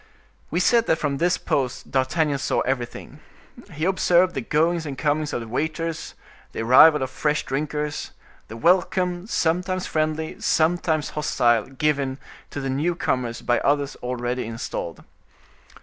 We said that from this post D'Artagnan saw everything. He observed the goings and comings of the waiters; the arrival of fresh drinkers; the welcome, sometimes friendly, sometimes hostile, given to the newcomers by others already installed.